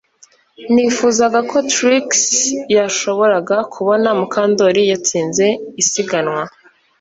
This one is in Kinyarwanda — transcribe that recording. Nifuzaga ko Trix yashoboraga kubona Mukandoli yatsinze isiganwa